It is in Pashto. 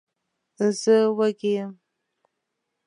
زه وږی یم.